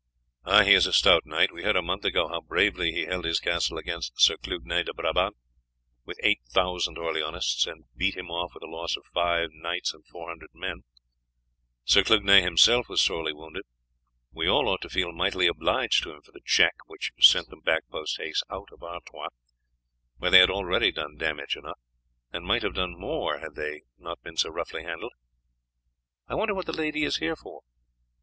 "He is a stout knight. We heard a month ago how bravely he held his castle against Sir Clugnet de Brabant with 8000 Orleanists, and beat him off with a loss of five knights and 400 men. Sir Clugnet himself was sorely wounded. We all ought to feel mightily obliged to him for the check, which sent them back post haste out of Artois, where they had already done damage enough, and might have done more had they not been so roughly handled. I wonder what the lady is here for?"